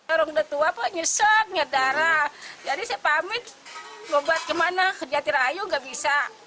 orang datua kok nyeseknya darah jadi saya pamit lo buat kemana ke jatirayu nggak bisa